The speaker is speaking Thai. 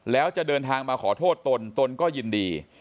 แล้วจะเดินทางมาขอโทษตนตนก็ยินดี